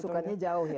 blusukannya jauh ya